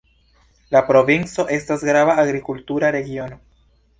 La provinco estas grava agrikultura regiono.